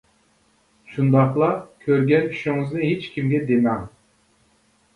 شۇنداقلا، كۆرگەن چۈشىڭىزنى ھېچ كىمگە دېمەڭ.